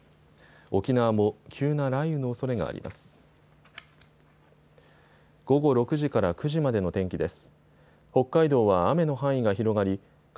沖縄も急な雷雨のおそれがあります。